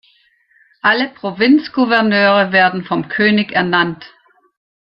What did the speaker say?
Alle Provinzgouverneure werden vom König ernannt.